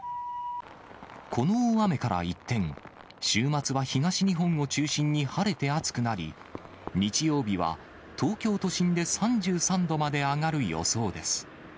この大雨から一転、週末は東日本を中心に晴れて暑くなり、日曜日は東京都心で３３度まで上がる予想です。